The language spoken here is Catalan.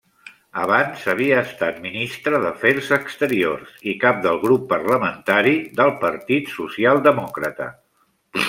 Abans havia estat ministra d'Afers Exteriors i cap del grup parlamentari del Partit Socialdemòcrata.